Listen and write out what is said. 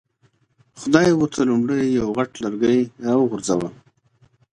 خدای ورته لومړی یو غټ لرګی را وغورځاوه.